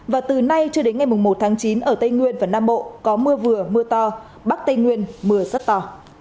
và từ nay cho đến ngày một tháng chín ở tây nguyên và nam bộ có mưa vừa mưa to bắc tây nguyên mưa rất to